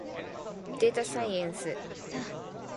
でーたさいえんす。